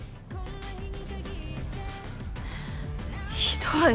ひどい。